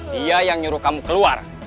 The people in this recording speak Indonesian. dia yang nyuruh kamu keluar